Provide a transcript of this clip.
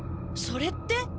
それって。